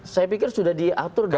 saya pikir sudah diatur